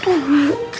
asli kok tadi kak